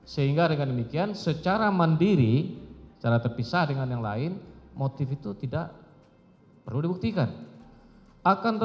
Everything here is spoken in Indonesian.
sehingga dengan demikian secara mandiri secara terpisah dengan yang lain motif itu tidak perlu dibuktikan